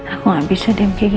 untuk ambil hak asur rena lagi